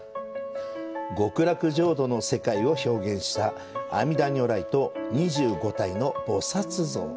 極楽浄土の世界を表現した阿弥陀如来と２５体の菩薩像。